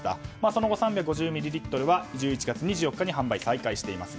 その後、３５０ミリリットルは１１月２４日に販売再開しています。